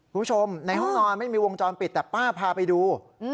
คุณผู้ชมในห้องนอนไม่มีวงจรปิดแต่ป้าพาไปดู